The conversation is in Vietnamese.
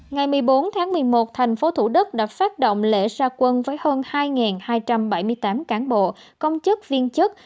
ngày một mươi bốn tháng một mươi một thành phố thủ đức đã phát động lễ gia quân với hơn hai hai trăm bảy mươi tám cán bộ công chức viên chức